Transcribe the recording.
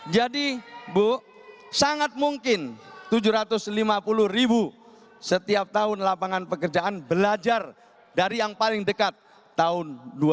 jadi bu sangat mungkin tujuh ratus lima puluh ribu setiap tahun lapangan pekerjaan belajar dari yang paling dekat tahun dua ribu tujuh belas